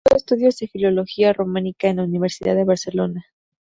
Cursó estudios de Filología Románica en la Universidad de Barcelona.